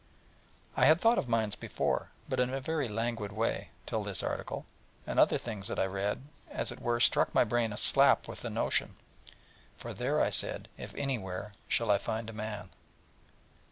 I had thought of mines before: but in a very languid way, till this article, and other things that I read, as it were struck my brain a slap with the notion. For 'there,' I said, 'if anywhere, shall I find a man....'